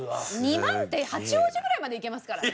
２万って八王子ぐらいまで行けますからね。